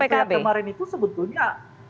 dari kasus kasus yang kemarin itu sebetulnya